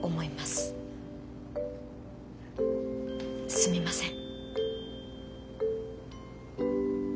すみません。